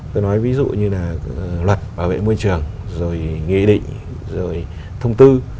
tôi nói ví dụ như là luật bảo vệ môi trường rồi nghị định rồi thông tư